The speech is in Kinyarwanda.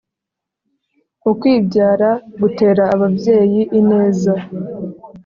“ukwibyara gutera ababyeyi ineza”